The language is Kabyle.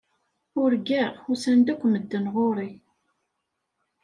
Urgaɣ usan-d akk medden ɣur-i.